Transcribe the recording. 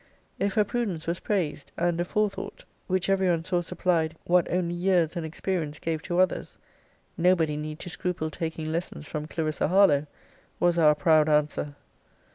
If her prudence was praised, and a forethought, which every one saw supplied what only years and experience gave to others nobody need to scruple taking lessons from Clarissa Harlowe, was our proud answer.